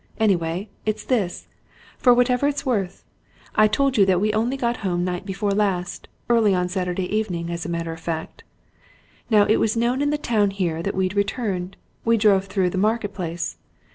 Anyway, it's this for whatever it's worth. I told you that we only got home night before last early on Saturday evening, as a matter of fact. Now, it was known in the town here that we'd returned we drove through the Market Place.